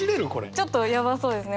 ちょっとやばそうですね。